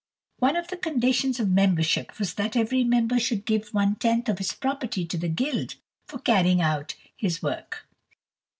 One of the conditions of membership was that every member should give one tenth of his property to the guild for carrying out its work.